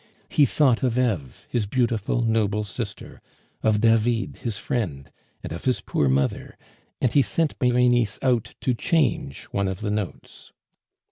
He thought of Eve, his beautiful, noble sister, of David his friend, and of his poor mother, and he sent Berenice out to change one of the notes.